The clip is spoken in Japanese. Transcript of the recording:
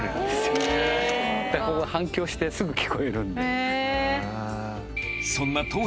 反響してすぐ聞こえるんで。